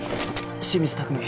清水拓海